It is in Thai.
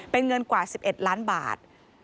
เป็นเงินกว่า๑๑ล้านบาท